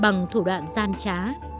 bằng thủ đoạn gian trá